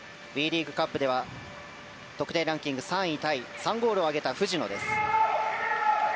ＷＥリーグカップでは得点ランキング３位タイ３ゴールを挙げた藤野です。